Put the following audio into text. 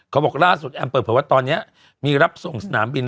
เขาบอกล่าวสุดแอมพิริบี่วัตรตอนเนี้ยมีรับส่งสนามบิน